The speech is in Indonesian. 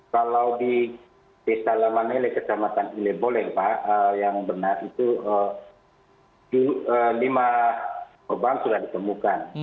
kalau di desa lama nele kecamatan ilebole pak yang benar itu lima korban sudah ditemukan